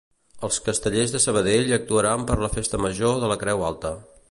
Els Castellers de Sabadell actuaran per la Festa Major de la Creu Alta